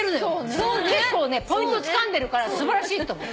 結構ポイントつかんでるから素晴らしいと思う。